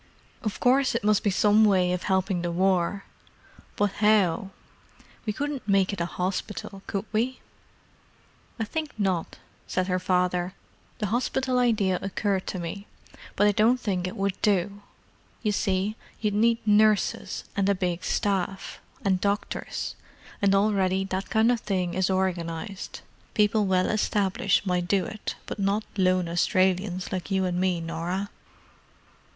Of course it must be some way of helping the War. But how? We couldn't make it a hospital, could we?" "I think not," said her father. "The hospital idea occurred to me, but I don't think it would do. You see you'd need nurses and a big staff, and doctors; and already that kind of thing is organized. People well established might do it, but not lone Australians like you and me, Norah."